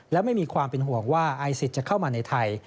และไม่มีความเป็นห่วงว่าไอซิสจะเข้ามาในไทย